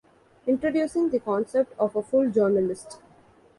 Introducing the concept of a full journalist.